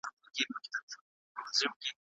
سپما د هر سوداګر لپاره پکار ده.